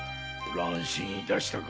乱心いたしたか？